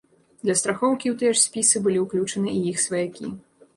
Для страхоўкі ў тыя ж спісы былі ўключаны і іх сваякі.